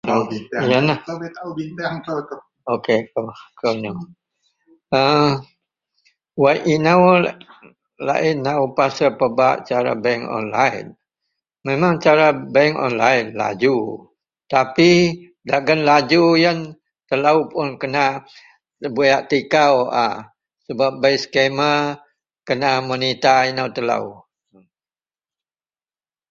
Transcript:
….. yenlah, ok…. [aaa]…wak inou laei nou pasel pebak cara bank onlaen. Memang cara bank onlaen laju tapi dagen laju yen telou pun kena buyak tikau a sebab bei sekema kena monita inou telou